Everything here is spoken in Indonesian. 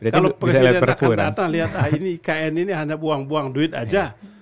kalau presiden akan datang lihat ini ikn ini hanya buang buang duit aja